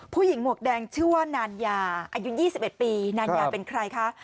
หมวกแดงชื่อว่านานยาอายุ๒๑ปีนานยาเป็นใครคะ